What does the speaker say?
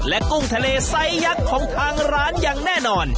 กุ้งทะเลไซส์ยักษ์ของทางร้านอย่างแน่นอน